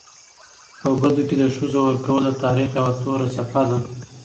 په بدو کي د ښځو ورکول د تاریخ یوه توره څپه ده.